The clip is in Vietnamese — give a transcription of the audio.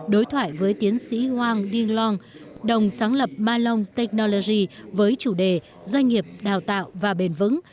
đối thoại với tiến sĩ hoàng ding đồng sáng lập malong technology với chủ đề doanh nghiệp đào tạo và bền vững